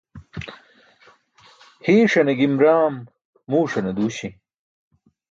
Hiiṣaṅe gim raam muuṣane duuśi.